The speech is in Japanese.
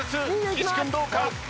岸君どうか？